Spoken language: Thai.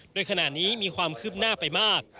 โดยขณะนี้มีความคืบหน้าไปมาก